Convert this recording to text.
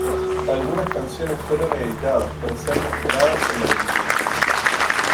Algunas canciones fueron editadas para ser mostradas en la película.